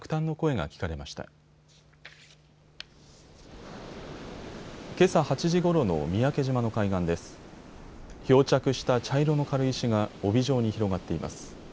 漂着した茶色の軽石が帯状に広がっています。